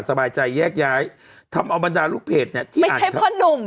สบายใจแยกย้ายทำเอาบรรดาลูกเพจเนี่ยที่ไม่ใช่พ่อหนุ่ม